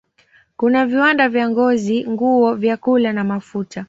Kuna viwanda vya ngozi, nguo, vyakula na mafuta.